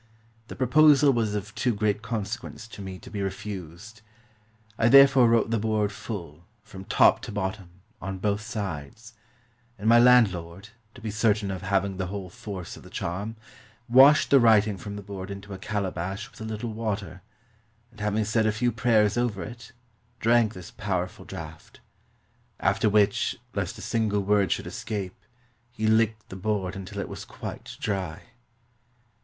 The proposal was of too great consequence to me to be refused. I therefore wrote the board full, from top to bottom, on both sides; and my landlord, to be certain of having the whole force of the charm, washed the writing from the board into a calabash with a little water, and having said a few prayers over it, drank this powerful draught; after which, lest a single word should escape, he licked the board until it was quite dry.